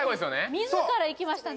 自ら行きましたね